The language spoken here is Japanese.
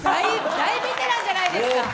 大ベテランじゃないですか。